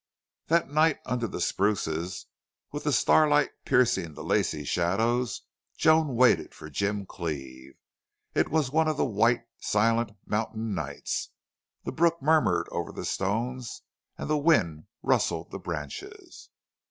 That night under the spruces, with the starlight piercing the lacy shadows, Joan waited for Jim Cleve. It was one of the white, silent, mountain nights. The brook murmured over the stones and the wind rustled the branches.